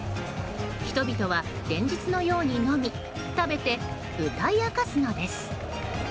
人々は連日のように飲み、食べて歌い明かすのです。